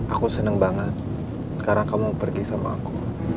aku seneng banget karena kamu pergi sama aku